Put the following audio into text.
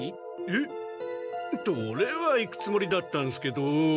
っとオレは行くつもりだったんすけど。